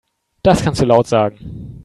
Das kannst du laut sagen.